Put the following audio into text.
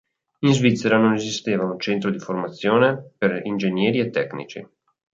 In Svizzera non esisteva un centro di formazione per ingegneri e tecnici.